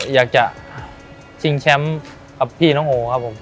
อยากจะชิงแชมป์กับพี่น้องโอครับผม